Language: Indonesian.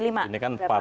ini kan empat ya